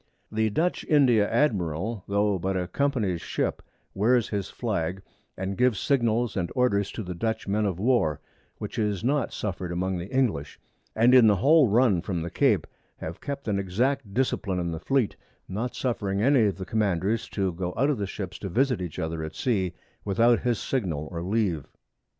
The Dutch India Admiral, tho' but a Company's Ship, wears his Flag, and gives Signals and Orders to the Dutch Men of War, which is not suffer'd among the English, and in the whole Run from the Cape have kept an exact Discipline in the Fleet, not suffering any of the Commanders to go out of the Ships to visit each other at Sea without his Signal or Leave.